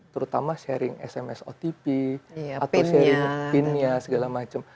terutama sharing sms otp atau sharing pinnya segala macam